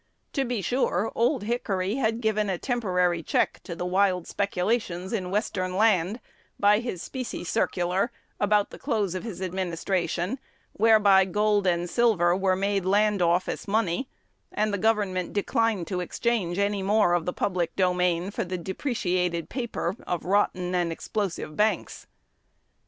To be sure, "Old Hickory" had given a temporary check to the wild speculations in Western land by the specie circular, about the close of his administration, whereby gold and silver were made "land office money;" and the Government declined to exchange any more of the public domain for the depreciated paper of rotten and explosive banks.